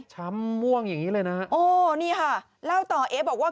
ช้ำม่วงอย่างนี้เลยนะฮะโอ้นี่ค่ะเล่าต่อเอ๊บอกว่า